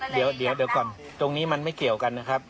เดี๋ยวก่อนตรงนี้มันไม่เกี่ยวกันนะครับ